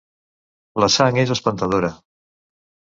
La sang és espantadora.